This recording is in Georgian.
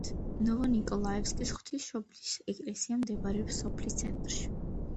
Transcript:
ნოვონიკოლაევკის ღვთისმშობლის შობის ეკლესია მდებარეობს სოფლის ცენტრში.